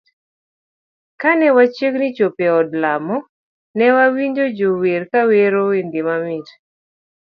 Kane wachiegni chopo e od lamo, newawinjo jo wer kawero wende mamit.